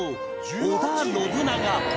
織田信長